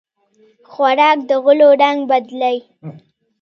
خوراک د غولو رنګ بدلوي.